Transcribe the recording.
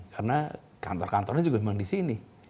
karena kantor kantornya juga memang di sini